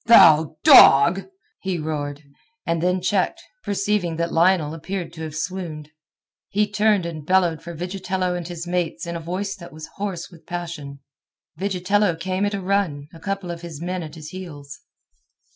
"Thou dog!" he roared, and then checked, perceiving that Lionel appeared to have swooned. He turned and bellowed for Vigitello and his mates in a voice that was hoarse with passion. Vigitello came at a run, a couple of his men at his heels.